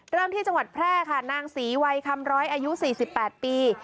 เริ่มที่จังหวัดแพร่ค่ะนางศรีวัยคำร้อยอายุ๔๘ปี